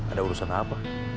ada urusan apa